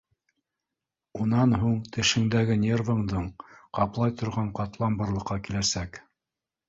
Унан һуң тешеңдәге нервыңдың ҡаплай торған ҡатлам барлыҡҡа киләсәк.